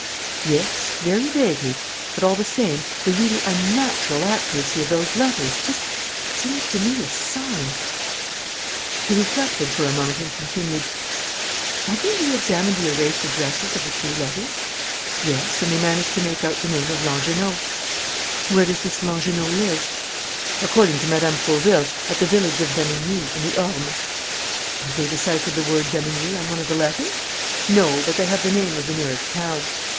"Yes, very vaguely, but, all the same, the really unnatural accuracy of those letters just seems to me a sign " He reflected for a moment and continued: "Have they reëxamined the erased addresses of the three letters?" "Yes; and they managed to make out the name of Langernault." "Where does this Langernault live?" "According to Mme. Fauville, at the village of Damigni, in the Orme." "Have they deciphered the word Damigni on one of the letters?" "No, but they have the name of the nearest town."